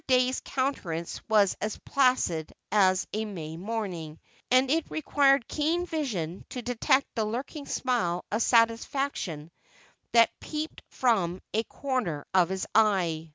Dey's countenance was as placid as a May morning, and it required keen vision to detect the lurking smile of satisfaction that peeped from a corner of his eye.